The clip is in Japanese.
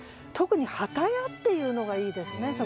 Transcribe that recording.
特に「機屋」っていうのがいいですね